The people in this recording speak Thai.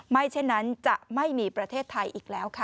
เช่นนั้นจะไม่มีประเทศไทยอีกแล้วค่ะ